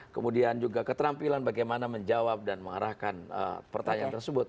kemudian juga keterampilan bagaimana menjawab dan mengarahkan pertanyaan tersebut